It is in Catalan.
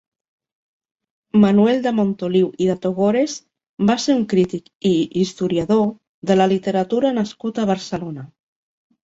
Manuel de Montoliu i de Togores va ser un crític i historiador de la literatura nascut a Barcelona.